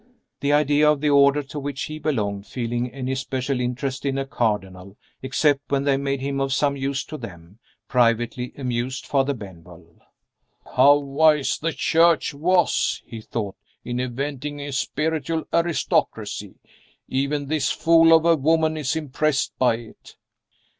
The idea of the Order to which he belonged feeling any special interest in a Cardinal (except when they made him of some use to them) privately amused Father Benwell. "How wise the Church was," he thought, "in inventing a spiritual aristocracy. Even this fool of a woman is impressed by it."